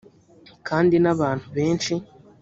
kandi n abantu benshi